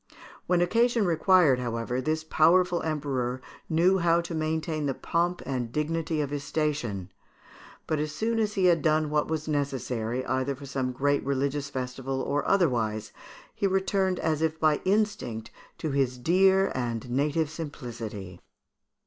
When occasion required, however, this powerful Emperor knew how to maintain the pomp and dignity of his station; but as soon as he had done what was necessary, either for some great religious festival or otherwise, he returned, as if by instinct, to his dear and native simplicity.